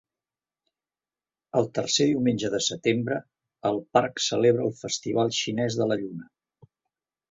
El tercer diumenge de setembre, el parc celebra el Festival xinès de la Lluna.